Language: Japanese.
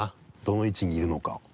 どの位置にいるのかを。